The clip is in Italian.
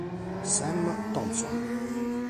Sam Thompson